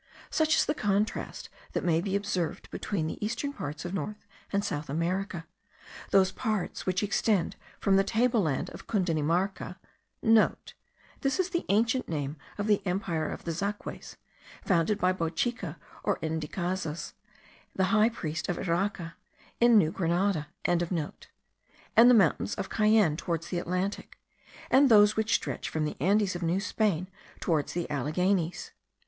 Such is the contrast that may be observed between the eastern parts of North and South America, those parts which extend from the table land of Cundinamarca* (* This is the ancient name of the empire of the Zaques, founded by Bochica or Idacanzas, the high priest of Iraca, in New Grenada.) and the mountains of Cayenne towards the Atlantic, and those which stretch from the Andes of New Spain towards the Alleghenies.